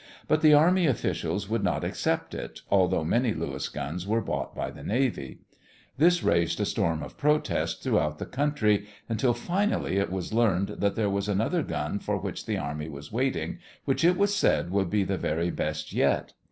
But the army officials would not accept it, although many Lewis guns were bought by the navy. This raised a storm of protest throughout the country until finally it was learned that there was another gun for which the army was waiting, which it was said would be the very best yet.